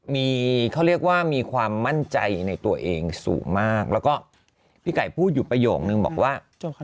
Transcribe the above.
มีเขาเรียกว่ามีความมั่นใจในตัวเองสูงมากแล้วก็พี่ไก่พูดอยู่ประโยคนึงบอกว่า